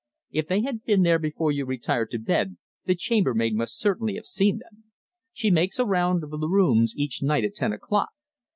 If they had been there before you retired to bed the chambermaid must certainly have seen them. She makes a round of the rooms each night at ten o'clock.